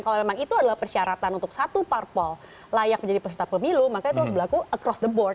kalau memang itu adalah persyaratan untuk satu parpol layak menjadi peserta pemilu maka itu harus berlaku across the board